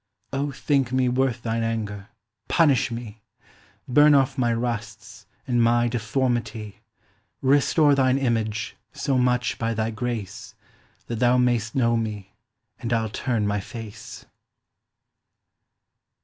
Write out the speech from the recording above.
O thinke mee worth thine anger, punish mee. Burne off my rusts, and my deformity, Restore thine Image, so much, by thy grace, That thou may'st know mee, and I'll turne my face.